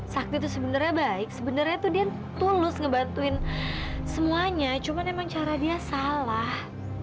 sakti itu sebenernya baik sebenernya dia tuh tulus ngebantuin semuanya cuma memang cara dia salah